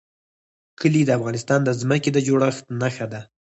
کلي د افغانستان د ځمکې د جوړښت نښه ده.